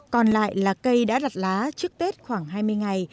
còn lại là cây đã đặt lá trước tết khoảng hai mươi ngày